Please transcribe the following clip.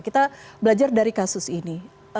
kita belajar dari kasus ini